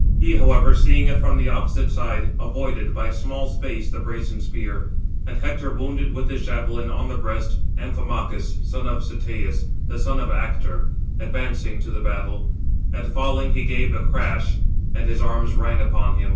He, however, seeing it from the opposite side, avoided, by a small space, the brazen spear; and [Hector] wounded with his javelin, on the breast, Amphimachus, son of Cteas, the son of Actor, advancing to the battle; and, falling, he gave a crash, and his arms rang upon him.